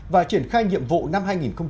và triển khai nhiệm vụ năm hai nghìn hai mươi